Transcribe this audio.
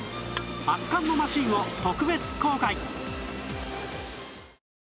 圧巻のマシンを特別公開！